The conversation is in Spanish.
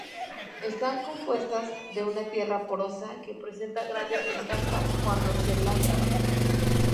Están compuestos de una tierra porosa que presenta grandes ventajas cuando se la trabaja".